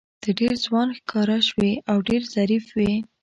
ته ډېر ځوان ښکاره شوې او ډېر ظریف وې.